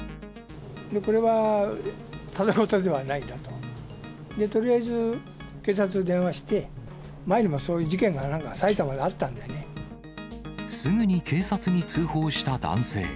これはただごとではないなと、とりあえず警察に電話して、前にもそういう事件が、すぐに警察に通報した男性。